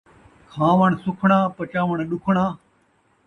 کھاوݨ سکھݨاں ، پچاوݨ ݙکھݨاں